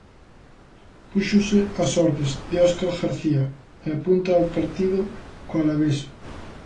Púxose ás ordes de Óscar García e apunta ao partido co Alavés.